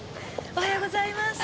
おはようございまーす。